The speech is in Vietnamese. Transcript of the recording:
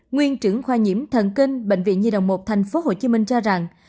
nguyên trưởng khoa nhiễm thần kinh bệnh viện nhi đồng một tp hcm cho rằng